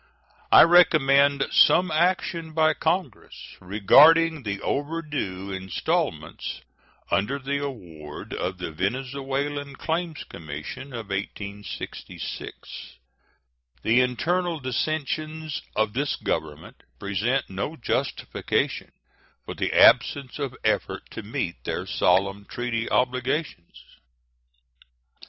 I recommend some action by Congress regarding the overdue installments under the award of the Venezuelan Claims Commission of 1866. The internal dissensions of this Government present no justification for the absence of effort to meet their solemn treaty obligations.